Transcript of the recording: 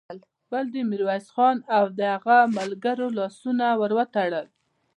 بل د ميرويس خان او د هغه د ملګرو لاسونه ور وتړل.